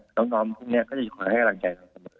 น้องน้องพวกเนี่ยก็จะให้กำลังใจ